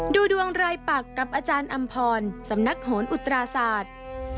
ดูดวงรายปักกับอาจารย์อำพรสำนักโหนอุตราศาสตร์